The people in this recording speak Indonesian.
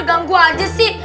ganggu aja sih